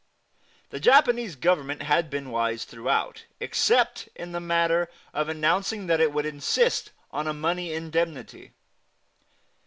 The Japanese Government had been wise throughout, except in the matter of announcing that it would insist on a money indemnity.